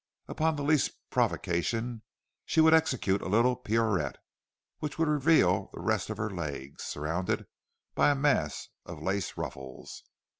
Upon the least provocation she would execute a little pirouette, which would reveal the rest of her legs, surrounded by a mass of lace ruffles.